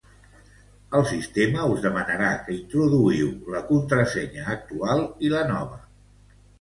El sistema us demanarà que introduïu la contrasenya actual i la nova.